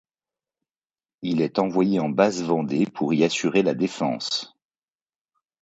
Il est envoyé en Basse-Vendée pour y assurer la défense.